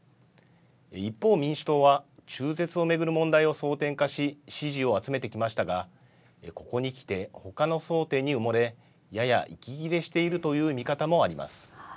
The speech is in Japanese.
一方、民主党は中絶を巡る問題を争点化し、支持を集めてきましたが、ここにきてほかの争点に埋もれ、やや息切れしているという見方もあります。